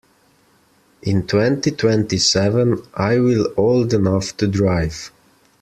In twenty-twenty-seven I will old enough to drive.